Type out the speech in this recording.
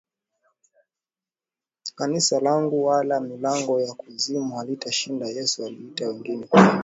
kanisa langu Wala milango ya kuzimu haitalishinda Yesu aliita wengine kumi